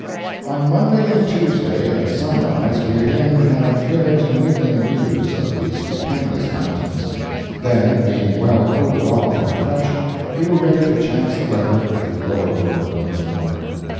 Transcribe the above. On Monday and Tuesday at sunrise we again had fair to middling views of the stupendous mountains; then, being well cooled off and refreshed, we were ready to chance the weather of the lower world once more.